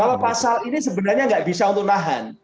bahwa pasal ini sebenarnya nggak bisa untuk nahan